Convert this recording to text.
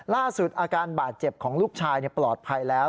ล่าสุดอาการบาดเจ็บของลูกชายปลอดภัยแล้ว